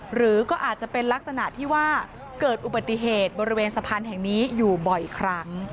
หรือก็อาจจะเป็นลักษณะที่ว่าเกิดอุบัติเหตุบริเวณสะพานแห่งนี้อยู่บ่อยครั้ง